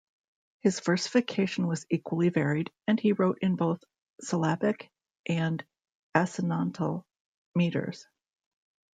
His versification was equally varied, and he wrote in both syllabic and assonantal metres.